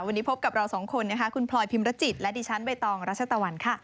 วันนี้พบกับเราสองคนนะคะคุณพลอยพิมรจิตและดิฉันใบตองรัชตะวันค่ะ